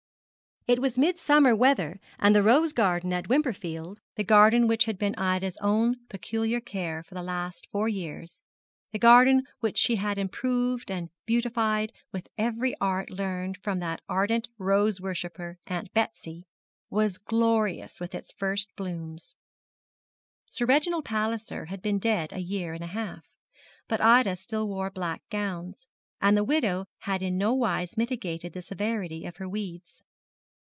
It was midsummer weather, and the rose garden at Wimperfield, that garden which had been Ida's own peculiar care for the last four years, the garden which she had improved and beautified with every art learned from that ardent rose worshipper Aunt Betsy, was glorious with its first blooms. Sir Reginald Palliser had been dead a year and a half, but Ida still wore black gowns, and the widow had in no wise mitigated the severity of her weeds.